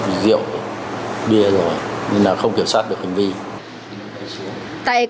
trừ bới xô xát